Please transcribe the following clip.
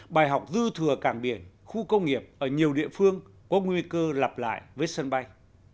bài học dư thừa cảng biển khu công nghiệp ở nhiều địa phương có nguy cơ lặp lại với sân bay